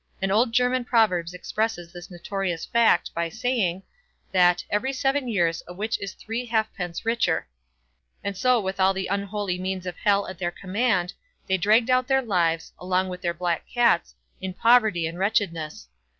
An old German proverb expresses this notorious fact, by saying, that "every seven years, a witch is three halfpence richer"; and so with all the unholy means of Hell at their command, they dragged out their lives, along with their black cats, in poverty and wretchedness.